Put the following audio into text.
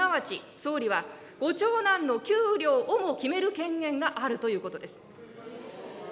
すなわち総理は、ご長男の給料をも決める権限があるということです。